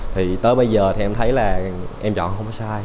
thì tới bây giờ thì em thấy là em chọn không có sai